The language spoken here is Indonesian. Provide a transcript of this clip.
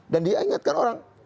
dan dia mengingatkan orang